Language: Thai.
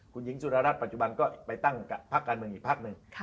คุณหญิงสุดารัฐปัจจุบันก็ไปตั้งพักการเมืองอีกพักหนึ่ง